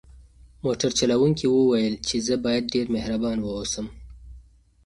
موټر چلونکي وویل چې زه باید ډېر مهربان واوسم.